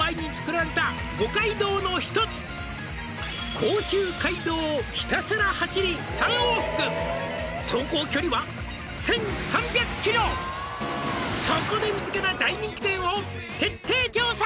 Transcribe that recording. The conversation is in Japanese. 「甲州街道をひたすら走り３往復」「そこで見つけた大人気店を徹底調査」